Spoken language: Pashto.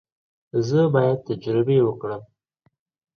زه بايد تجربې وکړم.